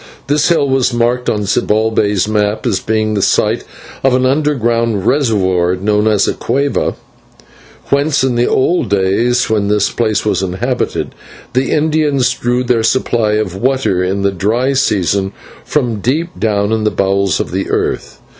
This hill was marked on Zibalbay's map as being the site of an underground reservoir, known as a /cueva/, whence in the old days, when this place was inhabited, the Indians drew their supply of water in the dry season from deep down in the bowels of the earth.